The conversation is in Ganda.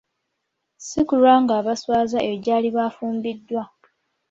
Si kulwa ng'abaswaza eyo gy'aliba afumbiddwa.